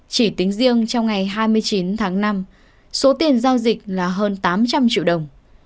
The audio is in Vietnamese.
chỉ tính riêng trong ngày hai mươi chín tháng năm số tiền giao dịch là hơn tám trăm linh triệu đồng